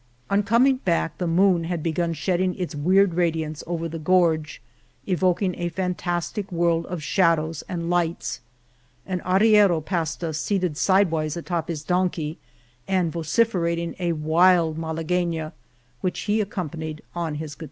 On coming back the moon had begun shedding its weird radiance over the gorge, evoking a fantastic world of shadows and lights. An arriero passed us seated side wise atop his donkey and vociferating a wild malaguena which he accompanied on his guitar.